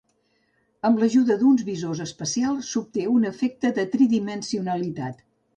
Amb l'ajuda d'uns visors especials s'obté un efecte de tridimensionalitat.